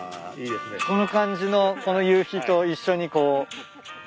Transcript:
この感じのこの夕日と一緒にこう。